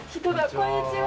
こんにちは。